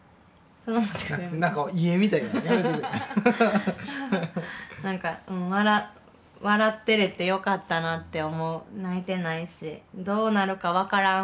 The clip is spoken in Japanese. その持ち方やめて何か遺影みたいややめてくれ何か笑ってられてよかったなって思う泣いてないしどうなるか分からん